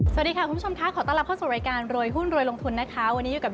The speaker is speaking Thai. สวัสดีค่ะคุณผู้ชมค่ะขอต้อนรับเข้าสู่รายการรวยหุ้นรวยลงทุนนะคะวันนี้อยู่กับ